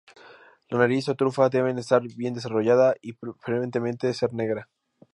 La nariz o trufa debe estar bien desarrollada y preferentemente ser negra.